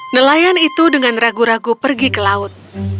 nelayan itu dengan ragu ragu pergi ke laut